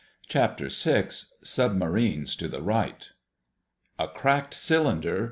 CHAPTER SIX SUBMARINES TO THE RIGHT "A cracked cylinder!"